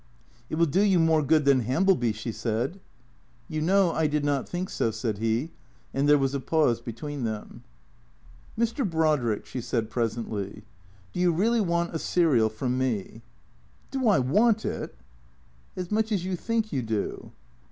" It will do you more good than Hambleby," she said. "You know I did not think so," said he. And there was a pause between them. " Mr. Brodrick," she said presently, " do you really want a serial from me ?"" Do I want it !"" As much as you think you do